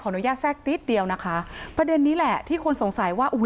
อนุญาตแทรกนิดเดียวนะคะประเด็นนี้แหละที่คนสงสัยว่าอุ้ย